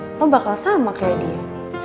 kalo enggak lo bakal sama kayak dia